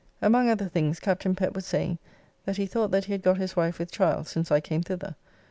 Among other things Captain Pett was saying that he thought that he had got his wife with child since I came thither.